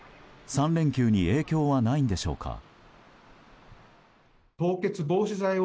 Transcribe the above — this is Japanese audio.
３連休に影響はないんでしょうか。